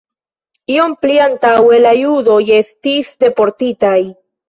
Iom pli antaŭe la judoj estis deportitaj.